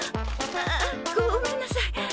あごめんなさい。